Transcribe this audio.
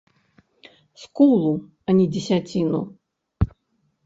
Скулу, а не дзесяціну!